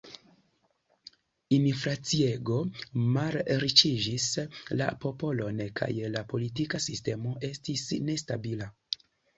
Inflaciego malriĉigis la popolon kaj la politika sistemo estis nestabila.